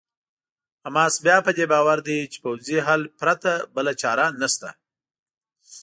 حماس بیا په دې باور دی چې پوځي حل پرته بله چاره نشته.